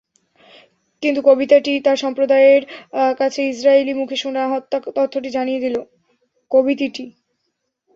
কিন্তু কিবতীটি তার সম্প্রদায়ের কাছে ইসরাঈলীর মুখে শোনা হত্যা তথ্যটি জানিয়ে দিল।